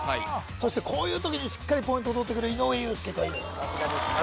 そしてこういう時にしっかりポイントをとってくる井上裕介というさすがですね